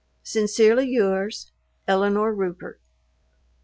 Sincerely yours, ELINORE RUPERT.